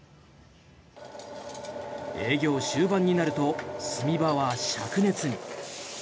営業終盤になると炭場は、しゃく熱に。